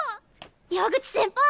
矢口先輩